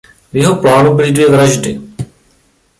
V jeho plánu byly dvě vraždy.